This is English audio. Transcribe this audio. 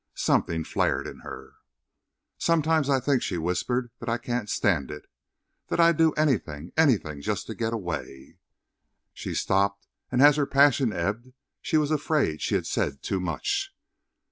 Something flared in her. "Sometimes I think," she whispered, "that I can't stand it! That I'd do anything! Anything just to get away." She stopped, and as her passion ebbed she was afraid she had said too much.